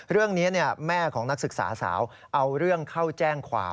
เรื่องนี้แม่ของนักศึกษาสาวเอาเรื่องเข้าแจ้งความ